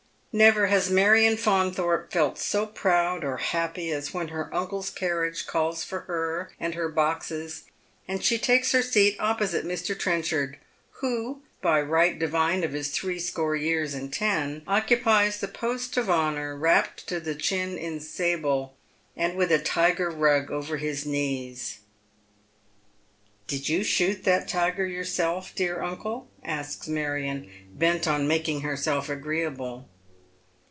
Never has Marion Faunthorpe felt so proud or happy as whe^ her uncle's caniage calls for her and her boxes, and she takes ler seat opposite Mr. Trenchard, who, by right divine of his Ju'ee score years and ten, occupies the post of honour wrapped to the chin in sable, and with a tiger skin nig over his knees. " Did you shoot that tiger yourself, dear uncle ?" asks Marion, bent on making herself agreeable.